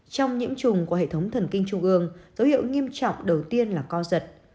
trong nhiễm trùng của hệ thống thần kinh trung ương dấu hiệu nghiêm trọng đầu tiên là co giật